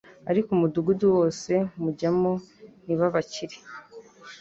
«Ariko umudugudu wose mujyamo ntibabakire,